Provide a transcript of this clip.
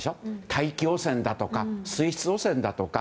大気汚染だとか水質汚染だとか。